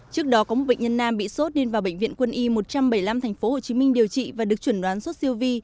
trước đó có một bệnh nhân nam bị sốt nên vào bệnh viện quân y một trăm bảy mươi năm tp hcm điều trị và được chuẩn đoán sốt siêu vi